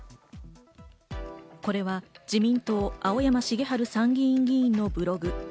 これは自民党・青山繁晴参議院議員のブログ。